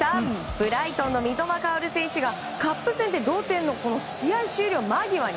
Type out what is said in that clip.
ブライトンの三笘薫選手がカップ戦で同点の試合終了間際に。